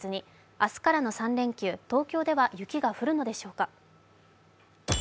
明日からの３連休、東京では雪が降るのでしょうか？